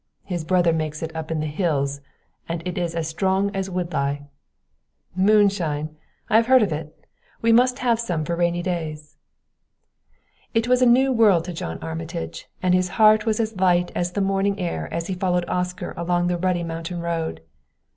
"His brother makes it up in the hills, and it is as strong as wood lye." "Moonshine! I have heard of it. We must have some for rainy days." It was a new world to John Armitage, and his heart was as light as the morning air as he followed Oscar along the ruddy mountain road.